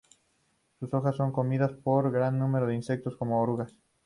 Sus hojas son comidas por gran número de insectos como orugas.